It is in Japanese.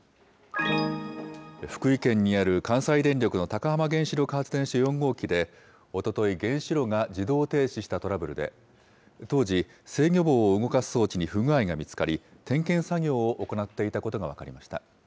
福井県にある関西電力の高浜原子力発電所４号機で、おととい、原子炉が自動停止したトラブルで、当時、制御棒を動かす装置に不具合が見つかり、点検作業を行っていたことが分かりました。